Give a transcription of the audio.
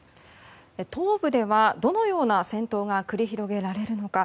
東部ではどのような戦闘が繰り広げられるのか。